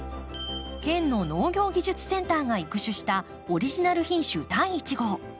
県の農業技術センターが育種したオリジナル品種第一号。